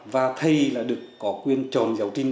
và thầy là được có quyền tròn giáo trình